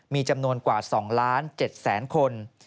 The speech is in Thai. มีจำนวนกว่า๒๗๐๐๐๐๐คน